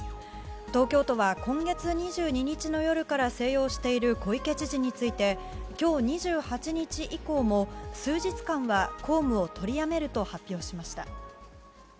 東京都は、今月２２日の夜から静養している小池知事について今日２８日以降も、数日間は公務を取りやめると発表しました。